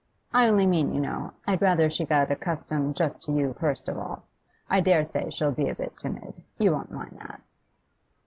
I only mean, you know, I'd rather she got accustomed just to you first of all. I dare say she'll be a bit timid, you won't mind that?